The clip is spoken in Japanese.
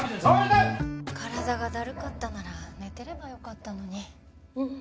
体がだるかったなら寝てればよかったのに。